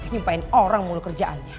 nyumpain orang mulut kerjaannya